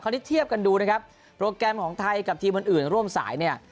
อันนี้เทียบกันดูนะครับโปรแกรมของไทยกับทีมอื่นร่วมสายเนี่ย